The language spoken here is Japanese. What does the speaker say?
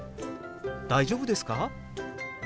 「大丈夫ですか？」。